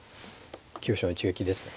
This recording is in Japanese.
急所を一撃ですね。